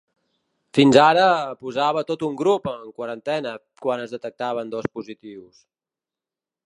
Fins ara, posava tot un grup en quarantena quan es detectaven dos positius.